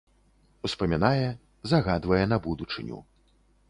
Успамінае, загадвае на будучыню.